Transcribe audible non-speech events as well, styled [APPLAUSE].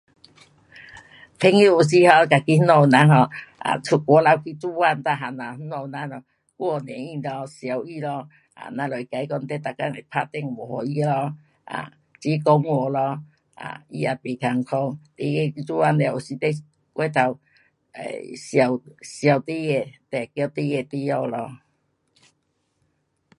朋友有时 [um]da 大家人去做工，在家全部咱顾他疼他，跟他讲你每天会打电话 um 起讲话咯 um 他也不讲不甘苦，不做工了 [UNINTELLIGIBLE] 疼你的就会叫你回来咯。